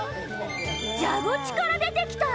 蛇口から出てきた！